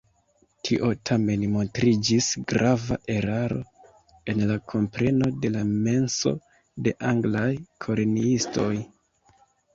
Tio tamen montriĝis grava eraro en la kompreno de la menso de anglaj koloniistoj.